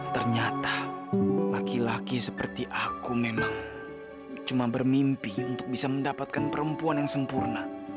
ternyata laki laki seperti aku memang cuma bermimpi untuk bisa mendapatkan perempuan yang sempurna